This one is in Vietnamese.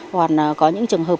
hoặc là có những trường hợp